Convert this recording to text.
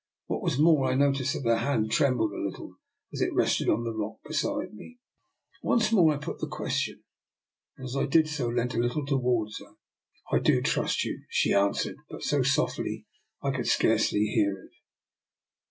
What was more, I noticed that her hand trembled a little as it rested on the rock be side me. Once more I put the question, and as I did so, I leant a little towards her. " I do trust you," she answered, but so softly that I could scarcely hear it.